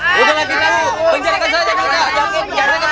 udah lagi tahu